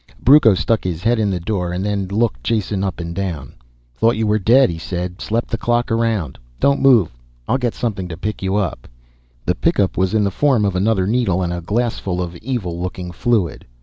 Brucco stuck his head in the door then and looked Jason up and down. "Thought you were dead," he said. "Slept the clock around. Don't move, I'll get something to pick you up." The pickup was in the form of another needle and a glassful of evil looking fluid.